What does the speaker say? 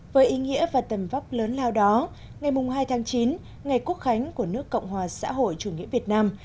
với ý nghĩa và tầm vóc lớn lao đó ngày hai tháng chín ngày quốc khánh của nước cộng hòa xã hội chủ nghĩa việt nam